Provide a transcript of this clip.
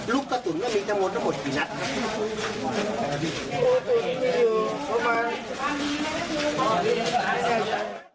ลูกกระตุ๋นก็มีทั้งหมดกี่นัด